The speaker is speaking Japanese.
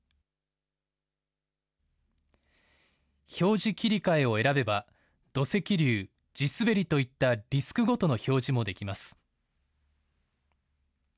表示切替を選べば土石流、地滑りといったリスクごとの表示もできます。